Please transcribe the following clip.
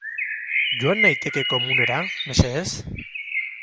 Joan naiteke komunera, mesedez?